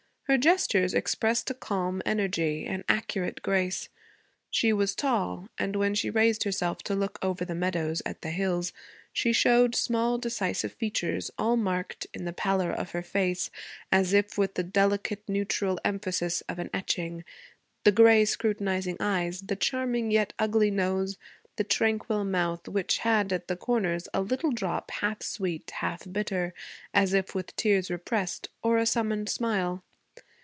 Her gestures expressed a calm energy, an accurate grace. She was tall, and when she raised herself to look over the meadows at the hills, she showed small, decisive features, all marked, in the pallor of her face, as if with the delicate, neutral emphasis of an etching: the gray, scrutinizing eyes, the charming yet ugly nose, the tranquil mouth which had, at the corners, a little drop, half sweet, half bitter, as if with tears repressed or a summoned smile.